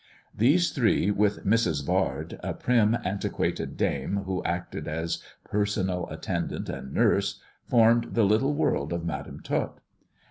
These three with Mrs. Yard, a prim antiquated dame who acted as personal attendant and nurse, formed the little world of Madam Tot.